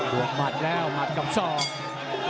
หัวบัดแล้วบัดกับทรอก